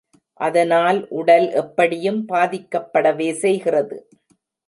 அதனால் உடல் எப்படியும் பாதிக்கப்படவே செய்கிறது.